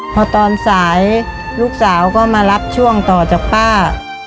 พอตอนสายลูกสาวก็มารับช่วงต่อจากป้า